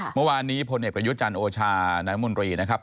เมื่อวานนี้พลเอกประยุทธ์จันทร์โอชานายมนตรีนะครับ